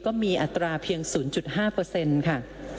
ก็มีอัตราเพียง๐๕เปอร์เซ็นต์ค่ะ